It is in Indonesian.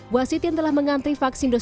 wasit yang telah mengantri vaksin dosis